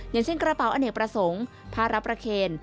อย่างเช่นกระเป๋าอเนกประสงค์พระรับประเคน